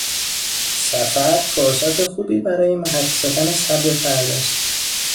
سفر، فرصت خوبی برای محک زدن صبر فرد است